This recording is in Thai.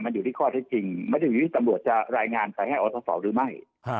มันอยู่ที่ข้อเท็จจริงไม่ได้อยู่ที่ตำรวจจะรายงานไปให้อศหรือไม่